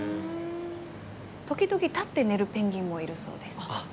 時々、立って寝るペンギンもいるそうです。